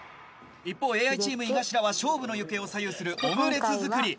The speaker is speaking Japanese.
一方ＡＩチーム井頭は勝負の行方を左右するオムレツ作り。